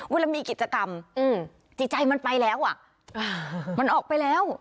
เวลามีกิจกรรมจิตใจมันไปแล้วอ่ะมันออกไปแล้ว